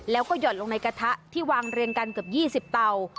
แล้วก็หย่อนลงในกระทะที่วางเรียงกันเกือบ๒๐เตา